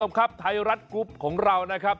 สวัสดีครับไทยรัฐกลุ่มของเรานะครับ